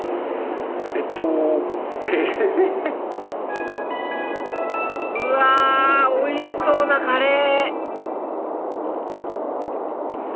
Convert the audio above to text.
えっとえ⁉うわおいしそうなカレー！